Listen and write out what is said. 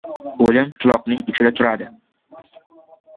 • O‘lim quloqning uchida turadi.